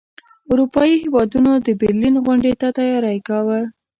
اروپايي هیوادونو د برلین غونډې ته تیاری کاوه.